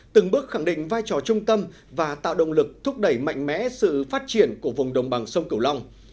từng bước khẳng định vai trò trung tâm và tạo động lực thúc đẩy mạnh mẽ sự phát triển của vùng đồng bằng sông cửu long